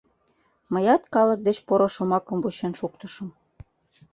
Мыят калык деч поро шомакым вучен шуктышым.